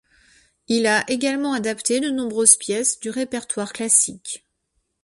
Il a également adapté de nombreuses pièces du répertoire classique.